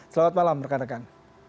selamat malam rekan rekan